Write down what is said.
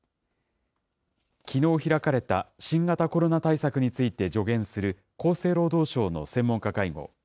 きのう開かれた新型コロナ対策について助言する、厚生労働省の専門家会合。